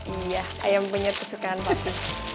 iya ayam punya kesukaan papi